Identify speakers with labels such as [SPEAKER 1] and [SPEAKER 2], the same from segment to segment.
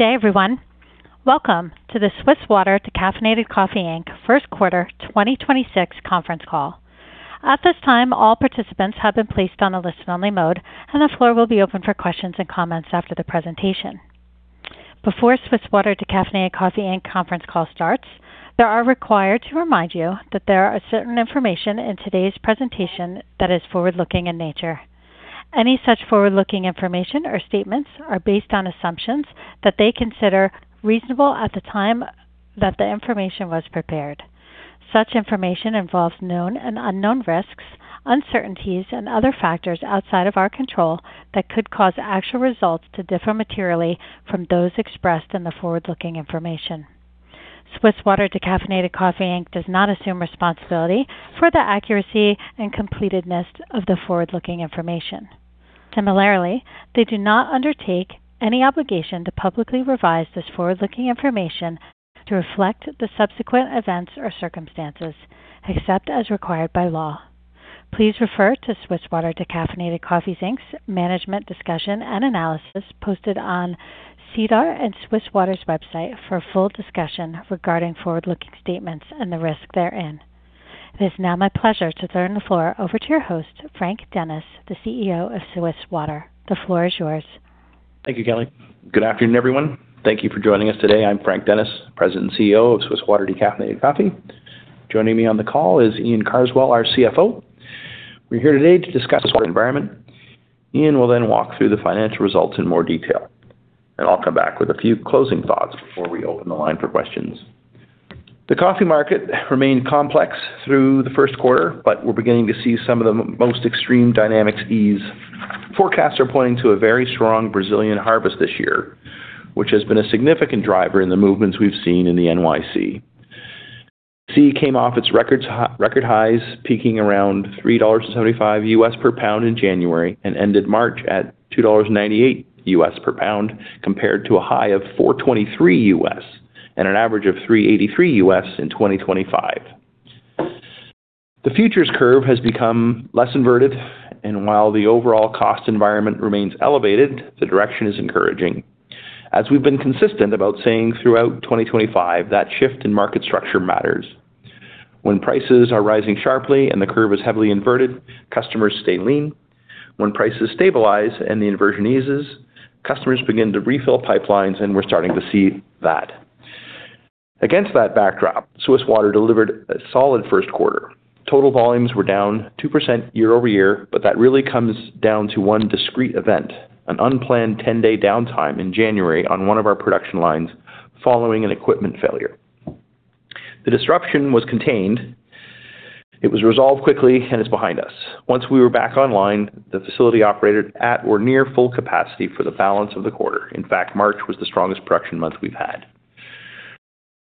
[SPEAKER 1] Good day, everyone. Welcome to the Swiss Water Decaffeinated Coffee Inc. Q1 2026 conference call. At this time, all participants have been placed on a listen-only mode, and the floor will be open for questions and comments after the presentation. Before Swiss Water Decaffeinated Coffee Inc. conference call starts, they are required to remind you that there are certain information in today's presentation that is forward-looking in nature. Any such forward-looking information or statements are based on assumptions that they consider reasonable at the time that the information was prepared. Such information involves known and unknown risks, uncertainties, and other factors outside of our control that could cause actual results to differ materially from those expressed in the forward-looking information. Swiss Water Decaffeinated Coffee Inc. does not assume responsibility for the accuracy and completeness of the forward-looking information. Similarly, they do not undertake any obligation to publicly revise this forward-looking information to reflect the subsequent events or circumstances, except as required by law. Please refer to Swiss Water Decaffeinated Coffee Inc.'s management discussion and analysis posted on SEDAR and Swiss Water's website for a full discussion regarding forward-looking statements and the risk therein. It is now my pleasure to turn the floor over to your host, Frank Dennis, the CEO of Swiss Water. The floor is yours.
[SPEAKER 2] Thank you, Kelly. Good afternoon, everyone. Thank you for joining us today. I'm Frank Dennis, President and CEO of Swiss Water Decaffeinated Coffee. Joining me on the call is Iain Carswell, our CFO. We're here today to discuss our environment. Iain will then walk through the financial results in more detail, and I'll come back with a few closing thoughts before we open the line for questions. The coffee market remained complex through the first quarter, but we're beginning to see some of the most extreme dynamics ease. Forecasts are pointing to a very strong Brazilian harvest this year, which has been a significant driver in the movements we've seen in the NYC. C came off its record highs, peaking around $3.75 US per pound in January and ended March at $2.98 US per pound, compared to a high of $4.23 US and an average of $3.83 US in 2025. The futures curve has become less inverted, while the overall cost environment remains elevated, the direction is encouraging. As we've been consistent about saying throughout 2025, that shift in market structure matters. When prices are rising sharply and the curve is heavily inverted, customers stay lean. When prices stabilize and the inversion eases, customers begin to refill pipelines, we're starting to see that. Against that backdrop, Swiss Water delivered a solid first quarter. Total volumes were down 2% year-over-year, but that really comes down to one discrete event, an unplanned 10-day downtime in January on one of our production lines following an equipment failure. The disruption was contained, it was resolved quickly, and it's behind us. Once we were back online, the facility operated at or near full capacity for the balance of the quarter. In fact, March was the strongest production month we've had.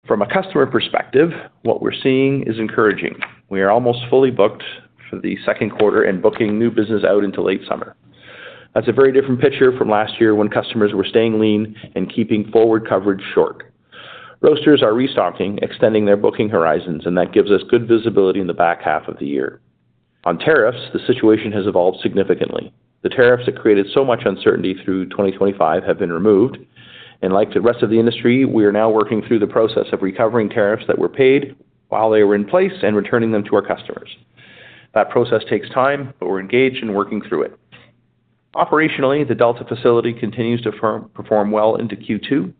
[SPEAKER 2] From a customer perspective, what we're seeing is encouraging. We are almost fully booked for the second quarter and booking new business out into late summer. That's a very different picture from last year when customers were staying lean and keeping forward coverage short. Roasters are restocking, extending their booking horizons, and that gives us good visibility in the back half of the year. On tariffs, the situation has evolved significantly. The tariffs that created so much uncertainty through 2025 have been removed. Like the rest of the industry, we are now working through the process of recovering tariffs that were paid while they were in place and returning them to our customers. That process takes time, we're engaged in working through it. Operationally, the Delta facility continues to firm-perform well into Q2.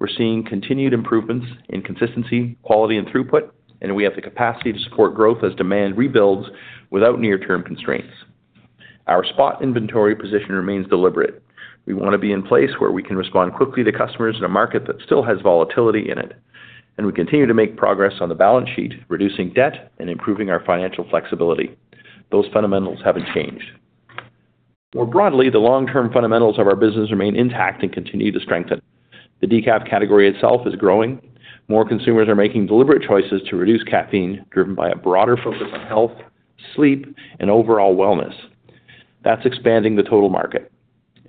[SPEAKER 2] We're seeing continued improvements in consistency, quality, and throughput. We have the capacity to support growth as demand rebuilds without near-term constraints. Our spot inventory position remains deliberate. We wanna be in place where we can respond quickly to customers in a market that still has volatility in it. We continue to make progress on the balance sheet, reducing debt and improving our financial flexibility. Those fundamentals haven't changed. More broadly, the long-term fundamentals of our business remain intact and continue to strengthen. The decaf category itself is growing. More consumers are making deliberate choices to reduce caffeine, driven by a broader focus on health, sleep, and overall wellness. That's expanding the total market.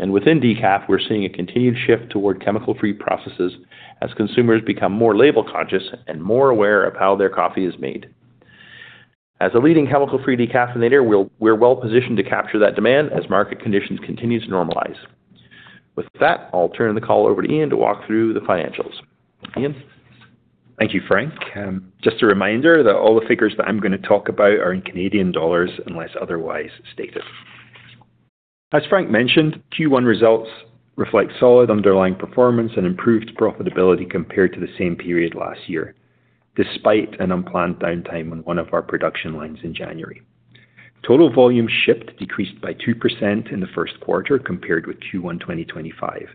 [SPEAKER 2] Within Decaf, we're seeing a continued shift toward chemical-free processes as consumers become more label-conscious and more aware of how their coffee is made. As a leading chemical-free decaffeinator, we're well-positioned to capture that demand as market conditions continue to normalize. With that, I'll turn the call over to Iain to walk through the financials. Iain.
[SPEAKER 3] Thank you, Frank. Just a reminder that all the figures that I'm gonna talk about are in Canadian dollars, unless otherwise stated. As Frank mentioned, Q1 results reflect solid underlying performance and improved profitability compared to the same period last year, despite an unplanned downtime on one of our production lines in January. Total volume shipped decreased by 2% in the first quarter compared with Q1 2025.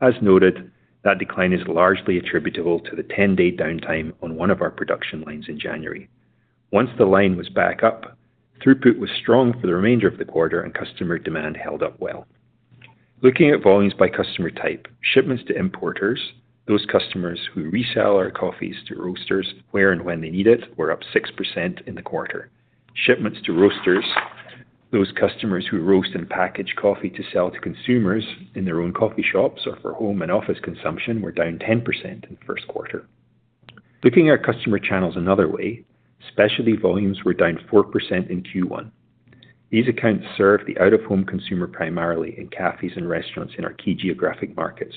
[SPEAKER 3] As noted, that decline is largely attributable to the 10-day downtime on one of our production lines in January. Once the line was back up, throughput was strong for the remainder of the quarter, and customer demand held up well. Looking at volumes by customer type, shipments to importers, those customers who resell our coffees to roasters where and when they need it, were up 6% in the quarter. Shipments to roasters, those customers who roast and package coffee to sell to consumers in their own coffee shops or for home and office consumption, were down 10% in the first quarter. Looking at customer channels another way, specialty volumes were down 4% in Q1. These accounts serve the out-of-home consumer primarily in cafes and restaurants in our key geographic markets.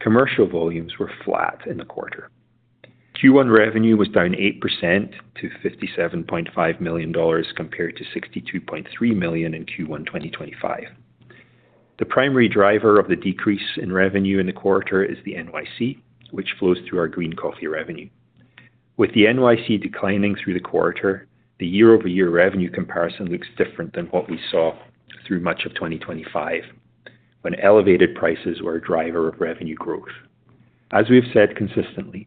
[SPEAKER 3] Commercial volumes were flat in the quarter. Q1 revenue was down 8% to 57.5 million dollars compared to 62.3 million in Q1 2025. The primary driver of the decrease in revenue in the quarter is the NYC, which flows through our green coffee revenue. With the NYC declining through the quarter, the year-over-year revenue comparison looks different than what we saw through much of 2025 when elevated prices were a driver of revenue growth. As we have said consistently,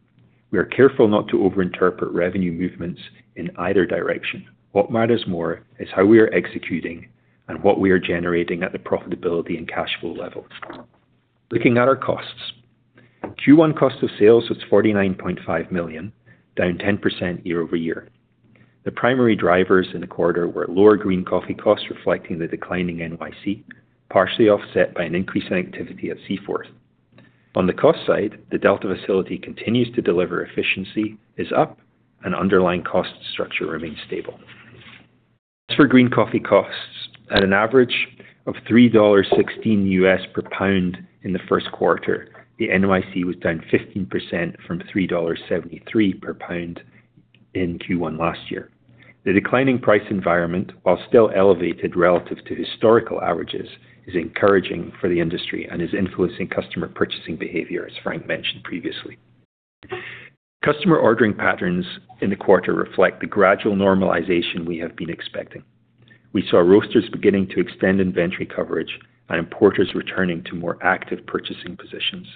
[SPEAKER 3] we are careful not to overinterpret revenue movements in either direction. What matters more is how we are executing and what we are generating at the profitability and cash flow level. Looking at our costs. Q1 cost of sales was 49.5 million, down 10% year-over-year. The primary drivers in the quarter were lower green coffee costs reflecting the declining NYC, partially offset by an increase in activity at Seaforth. On the cost side, the Delta facility continues to deliver efficiency is up and underlying cost structure remains stable. For green coffee costs, at an average of $3.16 US per pound in the first quarter, the NYC was down 15% from $3.73 per pound in Q1 last year. The declining price environment, while still elevated relative to historical averages, is encouraging for the industry and is influencing customer purchasing behavior, as Frank mentioned previously. Customer ordering patterns in the quarter reflect the gradual normalization we have been expecting. We saw roasters beginning to extend inventory coverage and importers returning to more active purchasing positions,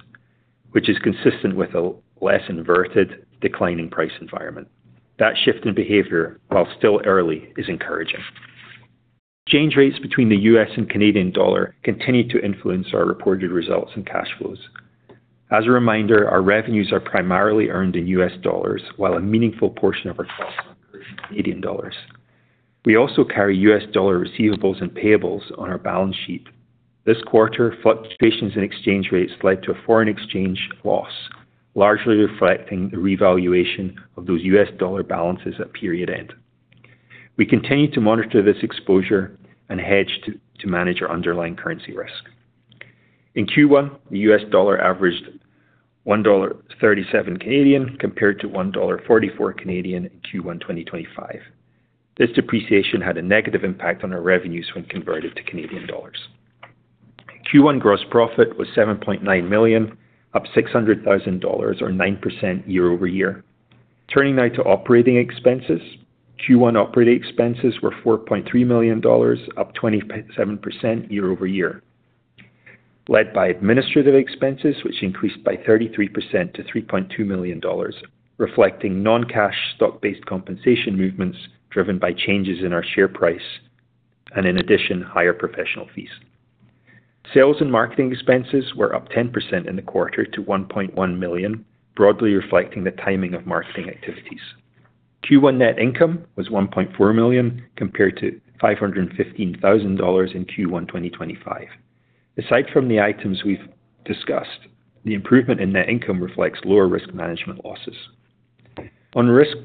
[SPEAKER 3] which is consistent with a less inverted declining price environment. That shift in behavior, while still early, is encouraging. Change rates between the U.S. and Canadian dollar continue to influence our reported results and cash flows. As a reminder, our revenues are primarily earned in US dollars while a meaningful portion of our costs are incurred in Canadian dollars. We also carry US dollar receivables and payables on our balance sheet. This quarter, fluctuations in exchange rates led to a foreign exchange loss, largely reflecting the revaluation of those US dollar balances at period end. We continue to monitor this exposure and hedge to manage our underlying currency risk. In Q1, the US dollar averaged 1.37 Canadian dollars compared to 1.44 Canadian dollars in Q1 2025. This depreciation had a negative impact on our revenues when converted to Canadian dollars. Q1 gross profit was 7.9 million, up 600,000 dollars or 9% year-over-year. Turning now to operating expenses. Q1 operating expenses were 4.3 million dollars, up 27% year-over-year. Led by administrative expenses, which increased by 33% to 3.2 million dollars, reflecting non-cash stock-based compensation movements driven by changes in our share price and in addition, higher professional fees. Sales and marketing expenses were up 10% in the quarter to 1.1 million, broadly reflecting the timing of marketing activities. Q1 net income was 1.4 million compared to 515,000 dollars in Q1 2025. Aside from the items we've discussed, the improvement in net income reflects lower risk management losses. On risk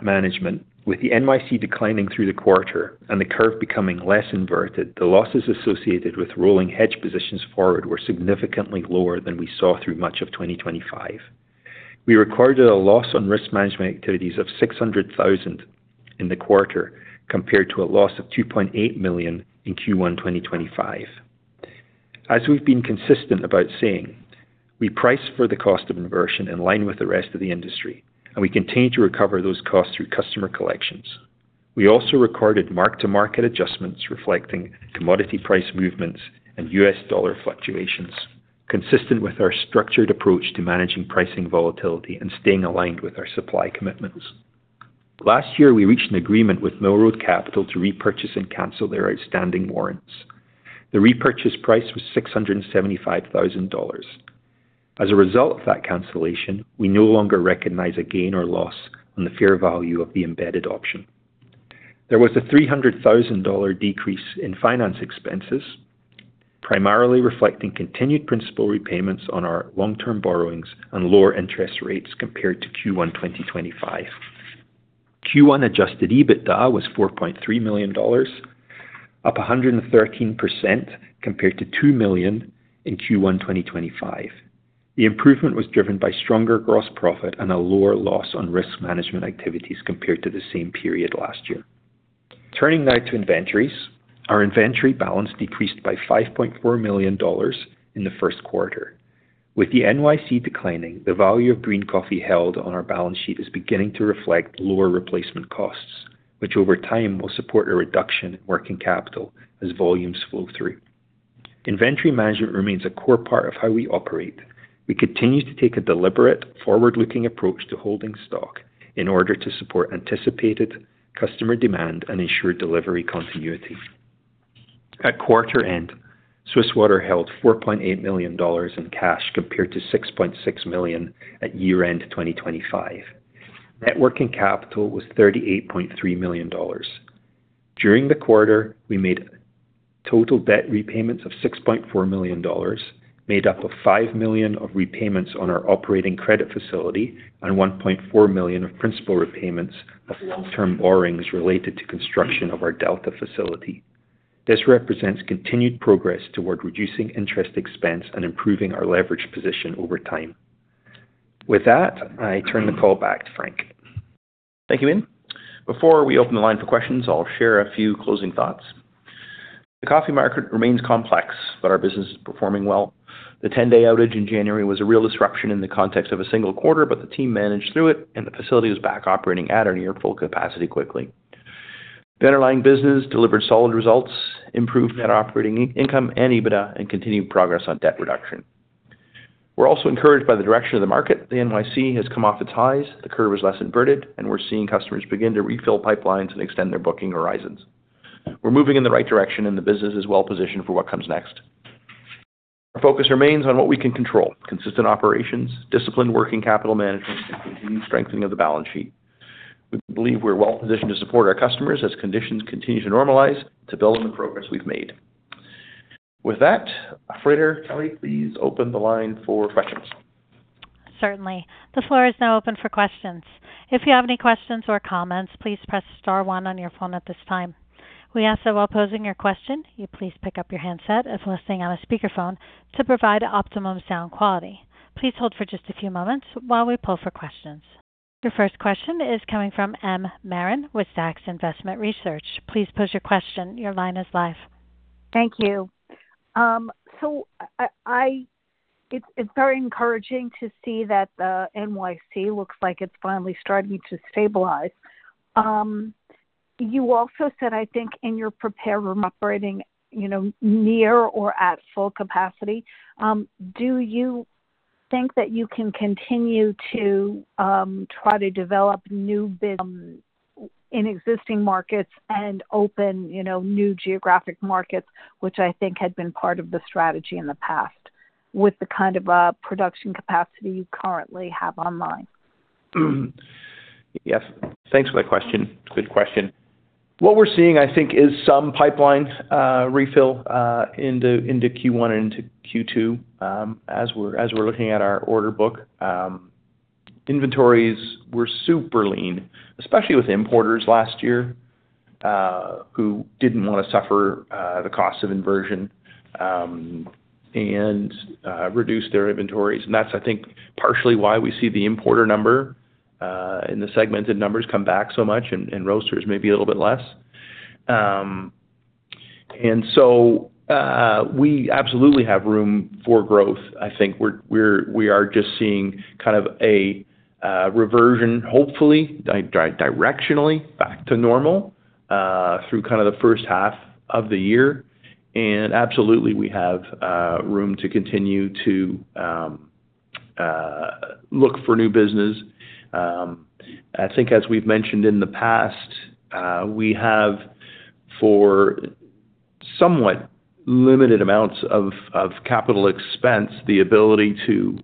[SPEAKER 3] management, with the NYC declining through the quarter and the curve becoming less inverted, the losses associated with rolling hedge positions forward were significantly lower than we saw through much of 2025. We recorded a loss on risk management activities of 600,000 in the quarter, compared to a loss of 2.8 million in Q1 2025. As we've been consistent about saying, we price for the cost of inversion in line with the rest of the industry, and we continue to recover those costs through customer collections. We also recorded mark-to-market adjustments reflecting commodity price movements and US dollar fluctuations, consistent with our structured approach to managing pricing volatility and staying aligned with our supply commitments. Last year, we reached an agreement with Mill Road Capital to repurchase and cancel their outstanding warrants. The repurchase price was 675,000 dollars. As a result of that cancellation, we no longer recognize a gain or loss on the fair value of the embedded option. There was a 300,000 dollar decrease in finance expenses, primarily reflecting continued principal repayments on our long-term borrowings and lower interest rates compared to Q1 2025. Q1 adjusted EBITDA was 4.3 million dollars, up 113% compared to 2 million in Q1 2025. The improvement was driven by stronger gross profit and a lower loss on risk management activities compared to the same period last year. Turning now to inventories. Our inventory balance decreased by 5.4 million dollars in the first quarter. With the NYC declining, the value of green coffee held on our balance sheet is beginning to reflect lower replacement costs, which over time will support a reduction in working capital as volumes flow through. Inventory management remains a core part of how we operate. We continue to take a deliberate forward-looking approach to holding stock in order to support anticipated customer demand and ensure delivery continuity. At quarter end, Swiss Water held 4.8 million dollars in cash compared to 6.6 million at year-end 2025. Net working capital was 38.3 million dollars. During the quarter, we made total debt repayments of 6.4 million dollars, made up of 5 million of repayments on our operating credit facility and 1.4 million of principal repayments of long term borrowings related to construction of our Delta facility. This represents continued progress toward reducing interest expense and improving our leverage position over time. With that, I turn the call back to Frank.
[SPEAKER 2] Thank you, Iain. Before we open the line for questions, I'll share a few closing thoughts. The coffee market remains complex. Our business is performing well. The 10-day outage in January was a real disruption in the context of a single quarter. The team managed through it and the facility was back operating at or near full capacity quickly. The underlying business delivered solid results, improved net operating income and EBITDA, and continued progress on debt reduction. We're also encouraged by the direction of the market. The NYC has come off its highs, the curve is less inverted. We're seeing customers begin to refill pipelines and extend their booking horizons. We're moving in the right direction. The business is well positioned for what comes next. Our focus remains on what we can control, consistent operations, disciplined working capital management, and continued strengthening of the balance sheet. We believe we're well positioned to support our customers as conditions continue to normalize to build on the progress we've made. With that, Operator Kelly, please open the line for questions.
[SPEAKER 1] Certainly. The floor is now open for questions. If you have any questions or comments, please press star one on your phone at this time. We ask that while posing your question, you please pick up your handset if listening on a speakerphone to provide optimum sound quality. Please hold for just a few moments while we pull for questions. Your first question is coming from Marla Marin with Zacks Investment Research. Please pose your question. Your line is live.
[SPEAKER 4] Thank you. It's very encouraging to see that the NYC looks like it's finally starting to stabilize. You also said, I think in your prepared remarks, operating, you know, near or at full capacity. Do you think that you can continue to try to develop new in existing markets and open, you know, new geographic markets, which I think had been part of the strategy in the past with the kind of production capacity you currently have online?
[SPEAKER 2] Yes. Thanks for that question. Good question. What we're seeing, I think, is some pipeline refill into Q1 and into Q2, as we're looking at our order book. Inventories were super lean, especially with importers last year, who didn't want to suffer the cost of inversion, and reduce their inventories. That's, I think, partially why we see the importer number and the segmented numbers come back so much and roasters maybe a little bit less. We absolutely have room for growth. I think we are just seeing kind of a reversion, hopefully directionally back to normal through kind of the first half of the year. Absolutely, we have room to continue to look for new business. I think as we've mentioned in the past, we have for somewhat limited amounts of capital expense, the ability to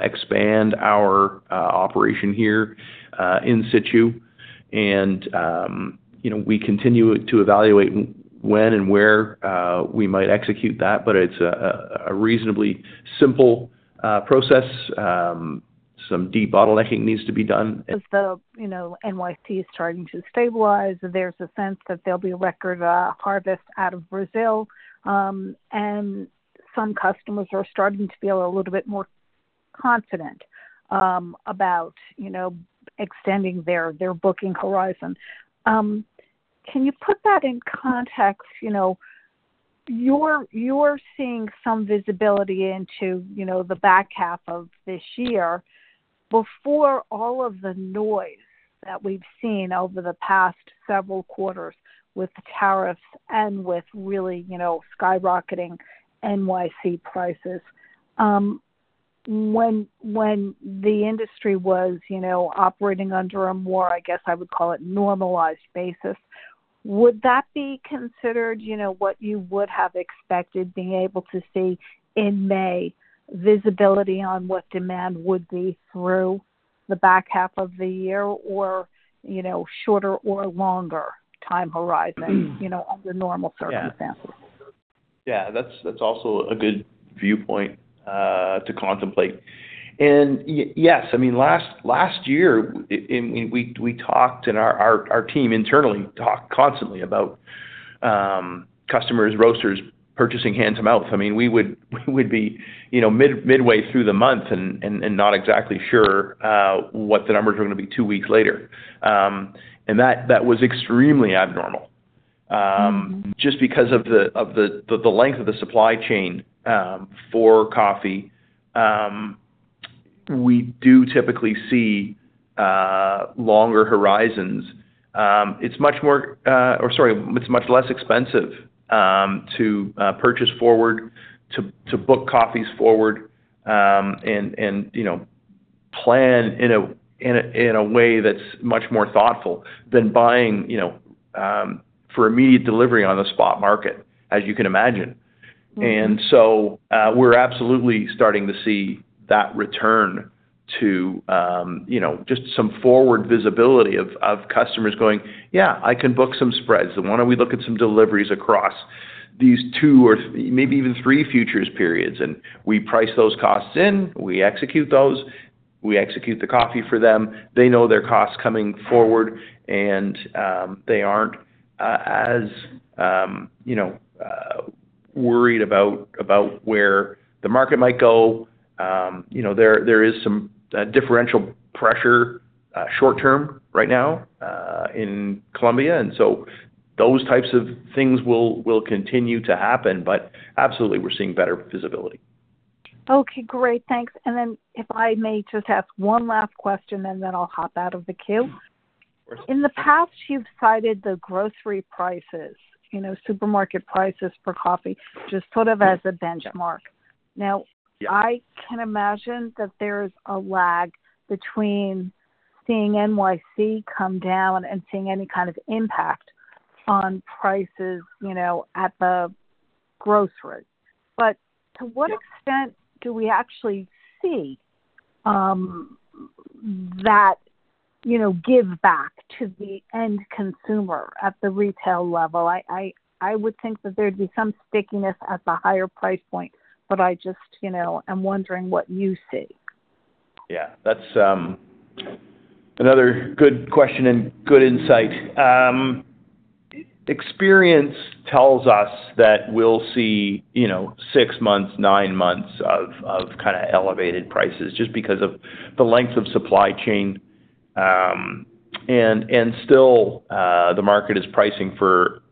[SPEAKER 2] expand our operation here in situ. You know, we continue to evaluate when and where we might execute that, but it's a reasonably simple process. Some debottlenecking needs to be done.
[SPEAKER 4] As the, you know, NYC is starting to stabilize, there's a sense that there'll be a record harvest out of Brazil, and some customers are starting to feel a little bit more confident, about, you know, extending their booking horizon. Can you put that in context? You know, you're seeing some visibility into, you know, the back half of this year before all of the noise that we've seen over the past several quarters with the tariffs and with really, you know, skyrocketing NYC prices. When the industry was, you know, operating under a more, I guess I would call it normalized basis, would that be considered, you know, what you would have expected being able to see in May visibility on what demand would be through the back half of the year or, you know, shorter or longer time horizon, you know, under normal circumstances?
[SPEAKER 2] Yeah. That's also a good viewpoint to contemplate. Yes, I mean, last year we talked and our team internally talked constantly about customers, roasters purchasing hand to mouth. I mean, we would be, you know, midway through the month and not exactly sure what the numbers were gonna be two weeks later. That was extremely abnormal. Just because of the length of the supply chain for coffee, we do typically see longer horizons. It's much more, or sorry, it's much less expensive to purchase forward, to book coffees forward, and, you know, plan in a way that's much more thoughtful than buying, you know, for immediate delivery on the spot market, as you can imagine. We're absolutely starting to see that return to, you know, just some forward visibility of customers going, "Yeah, I can book some spreads. Why don't we look at some deliveries across these two or maybe even three futures periods?" We price those costs in, we execute those, we execute the coffee for them. They know their costs coming forward, they aren't as, you know, worried about where the market might go. You know, there is some differential pressure, short term right now, in Colombia, and so those types of things will continue to happen. Absolutely, we're seeing better visibility.
[SPEAKER 4] Okay, great. Thanks. If I may just ask one last question, and then I'll hop out of the queue.
[SPEAKER 2] Sure.
[SPEAKER 4] In the past, you've cited the grocery prices, you know, supermarket prices for coffee, just sort of as a benchmark.
[SPEAKER 2] Yeah
[SPEAKER 4] I can imagine that there's a lag between seeing NYC come down and seeing any kind of impact on prices, you know, at the grocery. To what extent do we actually see, that, you know, give back to the end consumer at the retail level? I would think that there'd be some stickiness at the higher price point, but I just, you know, am wondering what you see.
[SPEAKER 2] Yeah, that's another good question and good insight. Experience tells us that we'll see, six months, nine months of kinda elevated prices just because of the length of supply chain. Still, the market is pricing for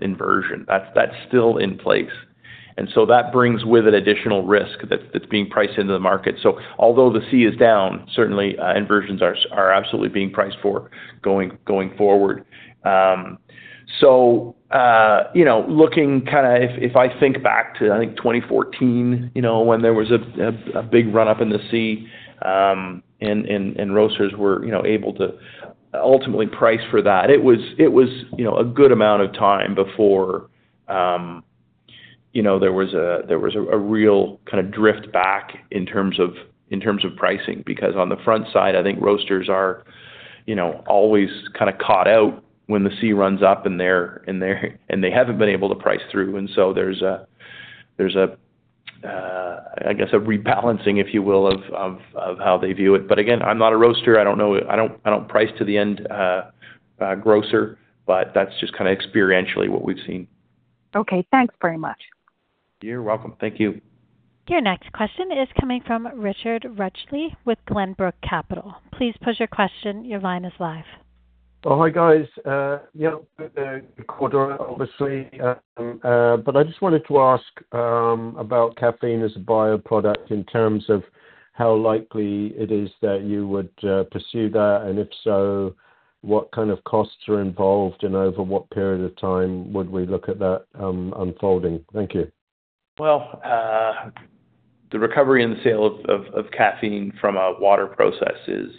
[SPEAKER 2] inversion. That's still in place. That brings with it additional risk that's being priced into the market. Although the C is down, certainly, inversions are absolutely being priced for going forward. Looking if I think back to 2014, when there was a big run up in the C, and roasters were able to ultimately price for that. It was, you know, a good amount of time before, you know, there was a real kind of drift back in terms of, in terms of pricing. On the front side, I think roasters are, you know, always kind of caught out when the C runs up and they haven't been able to price through. There's a, I guess, a rebalancing, if you will, of how they view it. Again, I'm not a roaster. I don't know it. I don't price to the end grocer. That's just kind of experientially what we've seen.
[SPEAKER 4] Okay. Thanks very much.
[SPEAKER 2] You're welcome. Thank you.
[SPEAKER 1] Your next question is coming from Richard Rudgley with Glenbrook Capital. Please pose your question. Your line is live.
[SPEAKER 5] Oh, hi, guys. Yeah, the quarter obviously. I just wanted to ask about caffeine as a bioproduct in terms of how likely it is that you would pursue that, and if so, what kind of costs are involved, and over what period of time would we look at that unfolding? Thank you.
[SPEAKER 2] Well, the recovery and the sale of caffeine from a water process is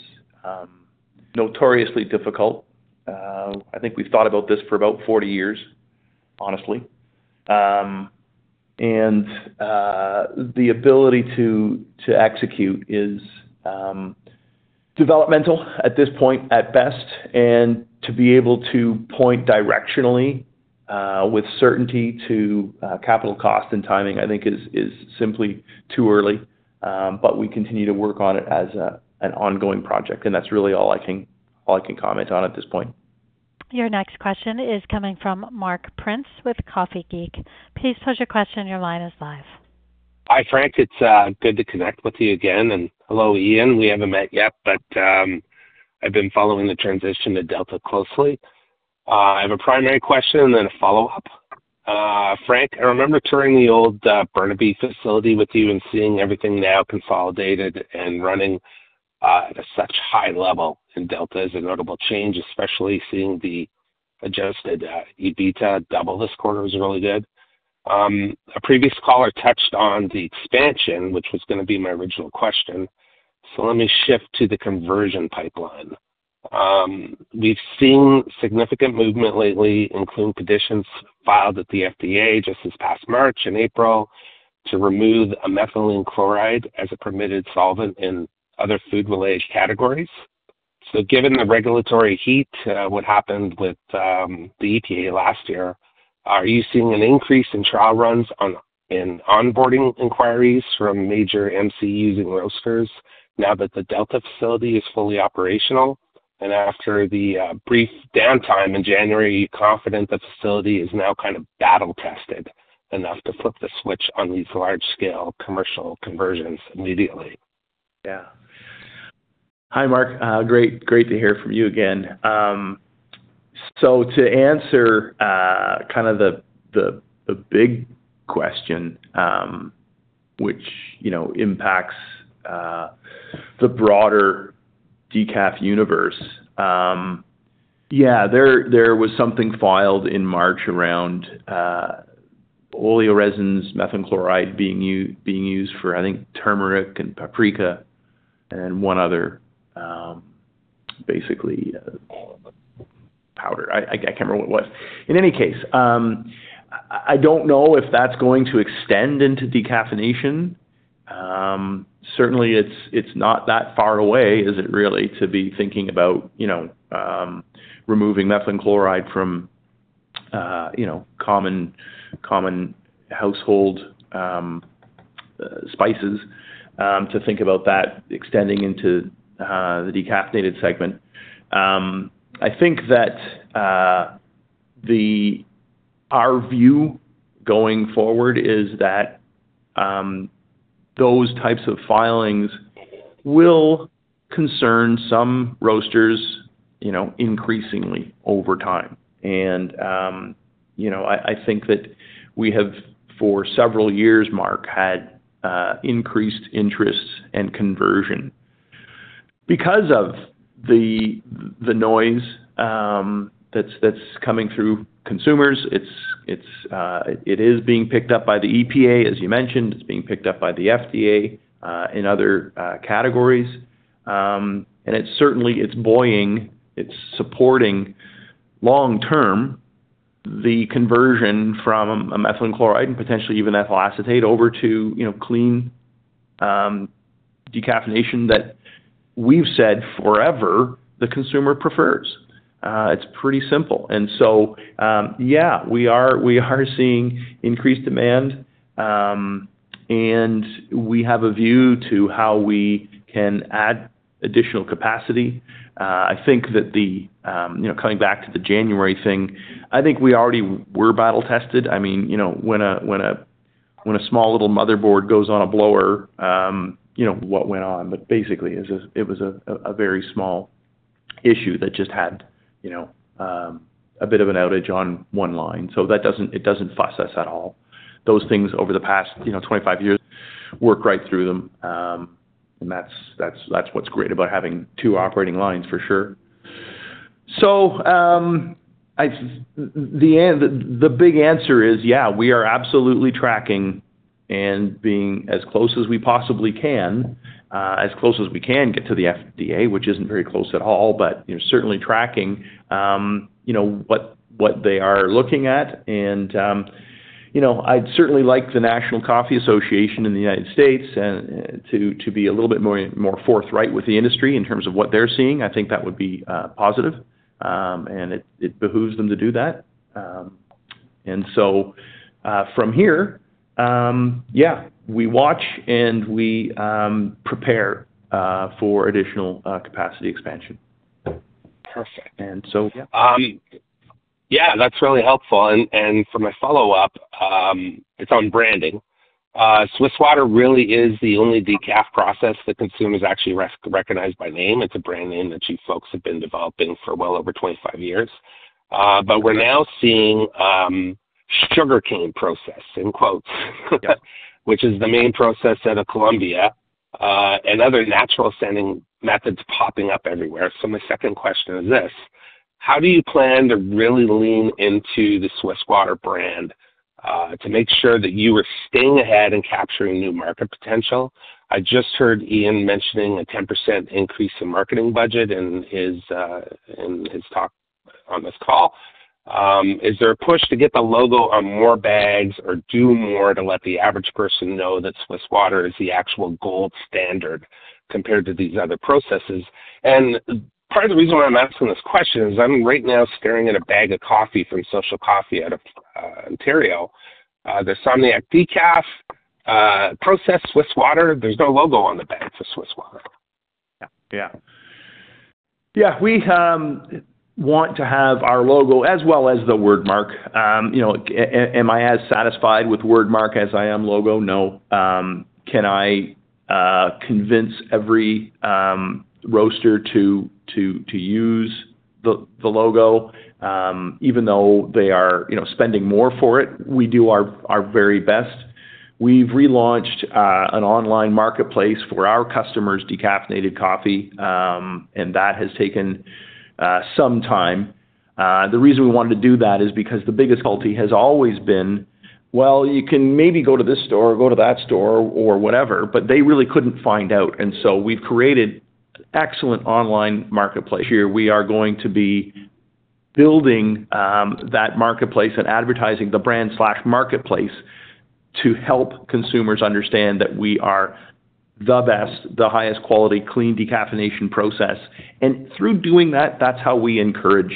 [SPEAKER 2] notoriously difficult. I think we've thought about this for about 40 years, honestly. The ability to execute is developmental at this point, at best. To be able to point directionally with certainty to capital cost and timing, I think is simply too early. We continue to work on it as an ongoing project, and that's really all I can comment on at this point.
[SPEAKER 1] Your next question is coming from Mark Prince with CoffeeGeek. Please pose your question. Your line is live.
[SPEAKER 6] Hi, Frank. It's good to connect with you again. Hello, Iain. We haven't met yet, but I've been following the transition to Delta closely. I have a primary question, and then a follow-up. Frank, I remember touring the old Burnaby facility with you and seeing everything now consolidated and running at a such high level, and Delta is a notable change, especially seeing the adjusted EBITDA double this quarter was really good. A previous caller touched on the expansion, which was gonna be my original question, so let me shift to the conversion pipeline. We've seen significant movement lately, including petitions filed at the FDA just this past March and April to remove a methylene chloride as a permitted solvent in other food related categories. Given the regulatory heat, what happened with the EPA last year, are you seeing an increase in trial runs on, and onboarding inquiries from major MCUs and roasters now that the Delta facility is fully operational? After the brief downtime in January, you're confident the facility is now kind of battle tested enough to flip the switch on these large scale commercial conversions immediately?
[SPEAKER 2] Hi, Mark. Great to hear from you again. To answer kind of the big question, which, you know, impacts the broader decaf universe, there was something filed in March around oleoresins, methylene chloride being used for, I think, turmeric and paprika and one other. Basically, powder. I can't remember what it was. In any case, I don't know if that's going to extend into decaffeination. Certainly it's not that far away, is it really, to be thinking about, you know, removing methylene chloride from, you know, common household spices, to think about that extending into the decaffeinated segment. I think that our view going forward is that those types of filings will concern some roasters, you know, increasingly over time. You know, I think that we have, for several years, Mark, had increased interest and conversion because of the noise that's coming through consumers. It's being picked up by the EPA, as you mentioned. It's being picked up by the FDA in other categories. It's certainly, it's buoying, it's supporting long term, the conversion from a methylene chloride and potentially even ethyl acetate over to, you know, clean decaffeination that we've said forever the consumer prefers. It's pretty simple. Yeah, we are seeing increased demand, and we have a view to how we can add additional capacity. I think that the, you know, coming back to the January thing, I think we already were battle tested. I mean, you know, when a small little motherboard goes on a blower, you know what went on. Basically, it was a very small issue that just had, you know, a bit of an outage on one line. It doesn't fuss us at all. Those things over the past, you know, 25 years, work right through them. That's what's great about having two operating lines, for sure. The big answer is, yeah, we are absolutely tracking and being as close as we possibly can, as close as we can get to the FDA, which isn't very close at all, but, you know, certainly tracking, you know, what they are looking at. You know, I'd certainly like the National Coffee Association in the U.S. to be a little bit more forthright with the industry in terms of what they're seeing. I think that would be positive, and it behooves them to do that. From here, yeah, we watch and we prepare for additional capacity expansion.
[SPEAKER 6] Perfect.
[SPEAKER 2] Yeah.
[SPEAKER 6] Yeah, that's really helpful. For my follow-up, it's on branding. Swiss Water really is the only decaf process that consumers actually recognize by name. It's a brand name that you folks have been developing for well over 25 years. We're now seeing sugarcane process, which is the main process out of Colombia, and other natural sending methods popping up everywhere. My second question is this: How do you plan to really lean into the Swiss Water brand to make sure that you are staying ahead and capturing new market potential? I just heard Iain mentioning a 10% increase in marketing budget in his talk on this call. Is there a push to get the logo on more bags or do more to let the average person know that Swiss Water is the actual gold standard compared to these other processes? Part of the reason why I'm asking this question is I'm right now staring at a bag of coffee from Social Coffee out of Ontario, the Insomniac Decaf, processed Swiss Water. There's no logo on the bag for Swiss Water.
[SPEAKER 2] Yeah. Yeah, we want to have our logo as well as the wordmark. You know, am I as satisfied with wordmark as I am logo? No. Can I convince every roaster to use the logo, even though they are, you know, spending more for it? We do our very best. We've relaunched an online marketplace for our customers' decaffeinated coffee, and that has taken some time. The reason we wanted to do that is because the biggest difficulty has always been, well, you can maybe go to this store or go to that store or whatever, but they really couldn't find out. We've created excellent online marketplace. Here we are going to be building that marketplace and advertising the brand/marketplace to help consumers understand that we are the best, the highest quality clean decaffeination process. Through doing that's how we encourage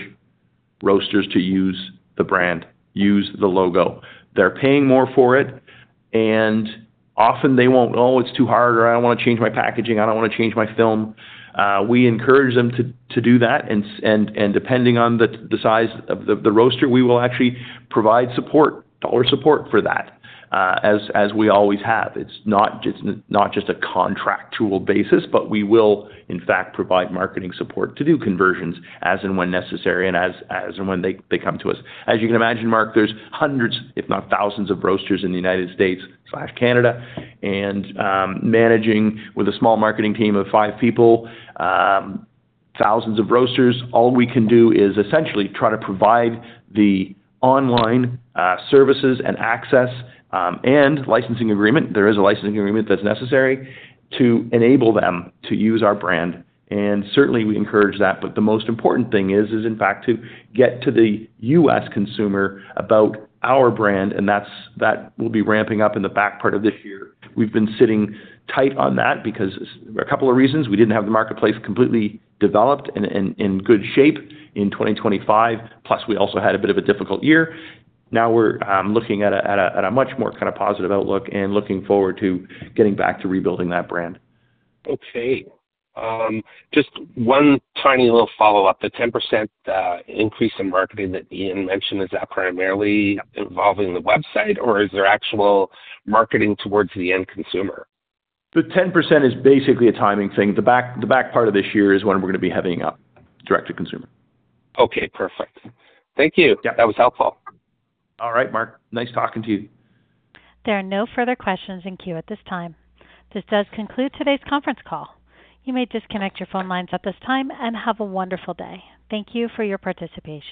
[SPEAKER 2] roasters to use the brand, use the logo. They're paying more for it, and often they won't "Oh, it's too hard," or, "I don't wanna change my packaging. I don't wanna change my film." We encourage them to do that. Depending on the size of the roaster, we will actually provide support, dollar support for that, as we always have. It's not just a contractual basis, but we will, in fact, provide marketing support to do conversions as and when necessary and as and when they come to us. As you can imagine, Mark, there's hundreds, if not thousands, of roasters in the United States/Canada. Managing with a small marketing team of five people, thousands of roasters, all we can do is essentially try to provide the online services and access, and licensing agreement, there is a licensing agreement that's necessary, to enable them to use our brand. Certainly, we encourage that. The most important thing is in fact to get to the U.S. consumer about our brand, and that will be ramping up in the back part of this year. We've been sitting tight on that because a couple of reasons. We didn't have the marketplace completely developed and in good shape in 2025. We also had a bit of a difficult year. Now we're looking at a much more kind of positive outlook and looking forward to getting back to rebuilding that brand.
[SPEAKER 6] Okay. Just one tiny little follow-up. The 10% increase in marketing that Iain mentioned, is that primarily involving the website or is there actual marketing towards the end consumer?
[SPEAKER 2] The 10% is basically a timing thing. The back part of this year is when we're gonna be heavy up direct to consumer.
[SPEAKER 6] Okay, perfect. Thank you.
[SPEAKER 2] Yeah.
[SPEAKER 6] That was helpful.
[SPEAKER 2] All right, Mark. Nice talking to you.
[SPEAKER 1] There are no further questions in queue at this time. This does conclude today's conference call. You may disconnect your phone lines at this time, and have a wonderful day. Thank you for your participation.